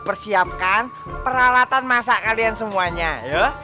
ibu persiapkan peralatan masak kalian semuanya yuk